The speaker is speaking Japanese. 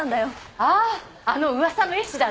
あぁあの噂の絵師だろ？